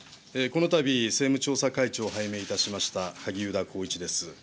このたび政務調査会長を拝命いたしました萩生田光一です。